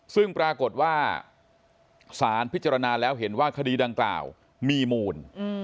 ซึ่งปรากฏว่าสารพิจารณาแล้วเห็นว่าคดีดังกล่าวมีมูล